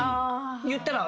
言ったら。